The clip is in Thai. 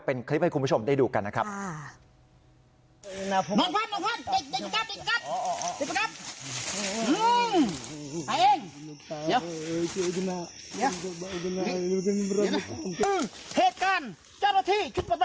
เป็นคลิปให้คุณผู้ชมได้ดูกันนะครับ